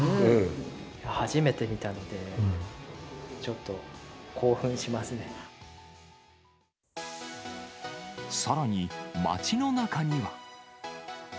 初めて見たので、ちょっと興さらに、町の中には。